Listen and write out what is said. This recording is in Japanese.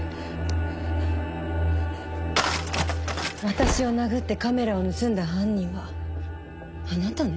私を殴ってカメラを盗んだ犯人はあなたね？